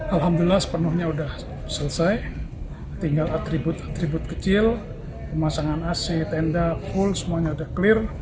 alhamdulillah sepenuhnya sudah selesai tinggal atribut atribut kecil pemasangan ac tenda full semuanya sudah clear